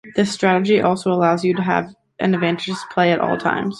This strategy also allows you to have an advantageous play at all times.